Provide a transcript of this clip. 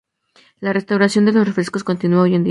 La restauración de los frescos continua hoy en día.